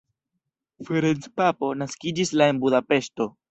Ferenc Papp naskiĝis la en Budapeŝto.